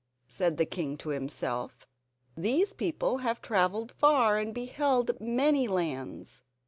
Said the king to himself: "These people have travelled far and beheld many lands.